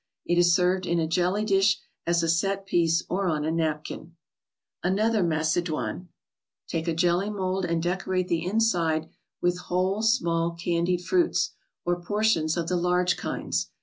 It is served in a jelly dish as a set piece or on a napkin. another SlpaccDotne. T ; ke a jeiiy ™id. and 7 decorate the inside with whole, small candied fruits, or portions of the large kinds.